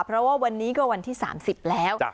เพราะว่าวันนี้ก็วันที่สามสิบแล้วจ้ะ